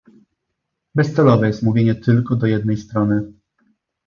Bezcelowe jest mówienie tylko do jednej strony